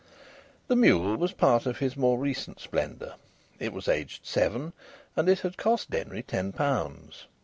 The mule was a part of his more recent splendour. It was aged seven, and it had cost Denry ten pounds.